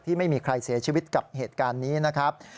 ไม่มีใครเสียชีวิตกับเหตุการณ์นี้นะครับ